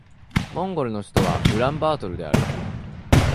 モンゴルの首都はウランバートルである